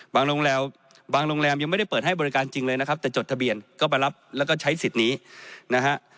บางโรงแรมยังไม่ได้เปิดให้บริการจริงเลยนะครับแต่จดทะเบียนก็มารับแล้วก็ใช้สิทธิ์นี้นะฮะ